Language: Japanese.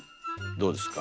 どうですか？